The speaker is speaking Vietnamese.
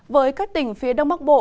với các tỉnh phía đông bắc bộ